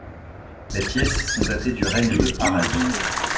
Les pièces sont datées du règne de Harald.